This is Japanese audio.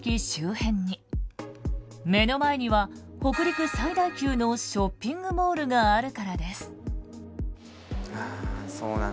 目の前には北陸最大級のショッピングモールがあるからです。